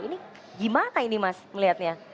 ini gimana ini mas melihatnya